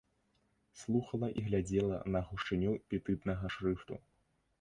Слухала і глядзела на гушчыню петытнага шрыфту.